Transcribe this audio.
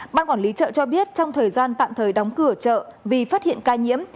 ban quản lý chợ cho biết trong thời gian tạm thời đóng cửa chợ vì phát hiện ca nhiễm